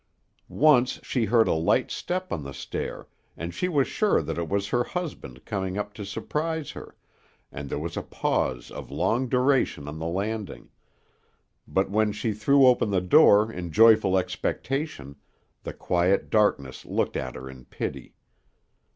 Once she heard a light step on the stair, and she was sure that it was her husband coming up to surprise her, and there was a pause of long duration on the landing; but when she threw open the door in joyful expectation, the quiet darkness looked at her in pity.